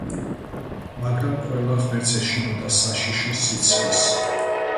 მაგრამ ყველა ღმერთს ეშინოდა საშიში სიცხის.